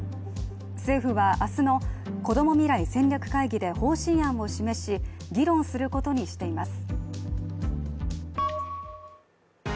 政府は明日のこども未来戦略会議で方針案を示し、議論することにしています。